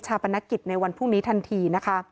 ชาปนกิจในวันพรุ่งนี้ทันที